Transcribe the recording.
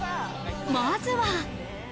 まずは。